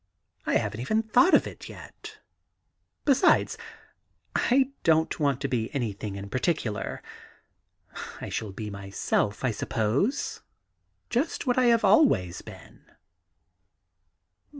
I haven't even thought about it yet. ... Besides I don't want to be anything in particular. I shall be myself, I suppose — just what I have always been.'